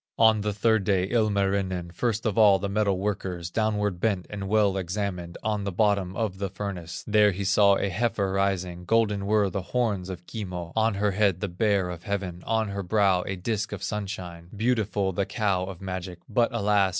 On the third day, Ilmarinen, First of all the metal workers, Downward bent and well examined, On the bottom of the furnace; There he saw a heifer rising, Golden were the horns of Kimmo, On her head the Bear of heaven, On her brow a disc of sunshine, Beautiful the cow of magic; But alas!